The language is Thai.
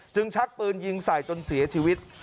ชักปืนยิงใส่จนเสียชีวิต